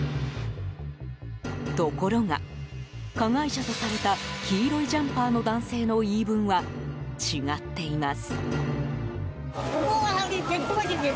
ところが、加害者とされた黄色いジャンパーの男性の言い分は違っています。